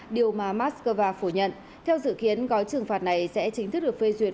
điều mà moscow phủ nhận theo dự kiến gói trừng phạt này sẽ chính thức được phê duyệt